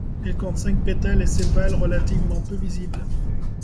Elles comptent cinq pétales et sépales relativement peu visibles.